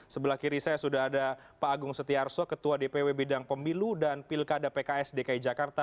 sebelah kiri saya sudah ada pak agung setiarso ketua dpw bidang pemilu dan pilkada pks dki jakarta